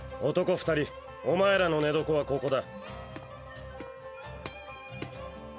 ２人お前らの寝床はここだ。